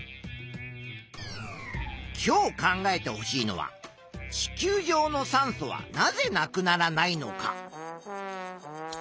今日考えてほしいのは地球上の酸素はなぜなくならないのか。